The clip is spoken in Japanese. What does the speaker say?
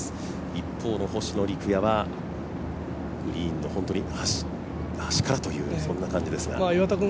一方の星野陸也はグリーンの端からという、そんな感じですが。